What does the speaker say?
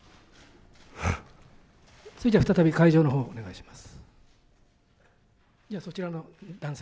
それじゃ再び会場のほう、お願いします。